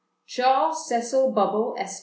"Charles Cecil Bubble, Esq.